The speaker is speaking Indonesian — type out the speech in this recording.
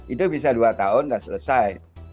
itu bisa dua tahun dan selesai